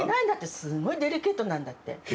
すごいデリケートなんだって。